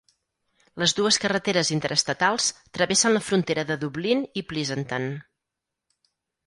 Les dues carreteres interestatals travessen la frontera de Dublin i Pleasanton.